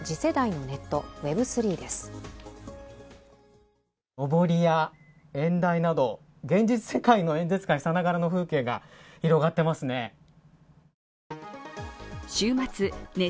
のぼりや演題など現実世界さながらの風景が広がっていますね。